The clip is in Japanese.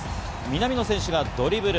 南野選手がドリブル。